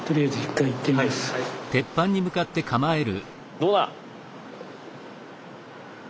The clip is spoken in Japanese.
どうだ！